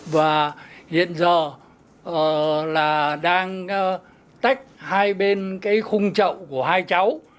và hiện giờ là đang tách hai bên cái khung trậu của hai cháu